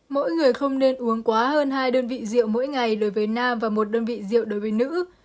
mỗi người không nên uống quá hơn hai đơn vị rượu mỗi ngày đối với nam và một đơn vị rượu đối với nữ